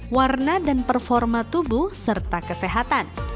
warna dan performa tubuh serta kesehatan